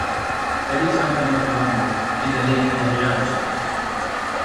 Er liegt am Canal Grande in der Nähe der Rialtobrücke.